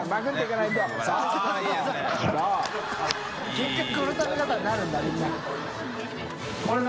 結局この食べ方になるんだみんな。